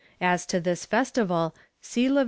As to this festival, see Lev.